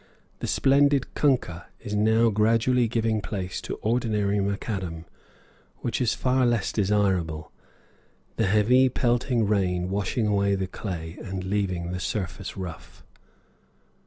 The splendid kunkah is now gradually giving place to ordinary macadam, which is far less desirable, the heavy, pelting rain washing away the clay and leaving the surface rough.